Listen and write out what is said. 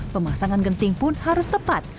pemasangan genting pun harus tepat